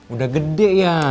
udah gede ya